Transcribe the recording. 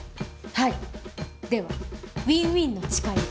はいではウィンウィンの誓いを。